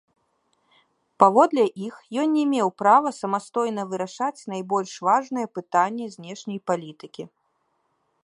Паводле іх ён не меў права самастойна вырашаць найбольш важныя пытанні знешняй палітыкі.